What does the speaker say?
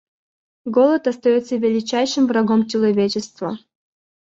Голод остается величайшим врагом человечества.